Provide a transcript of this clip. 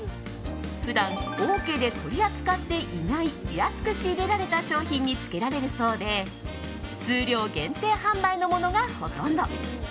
普段オーケーで取り扱っていない安く仕入れられた商品につけられるそうで数量限定販売のものがほとんど。